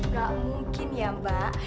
nggak mungkin ya mbak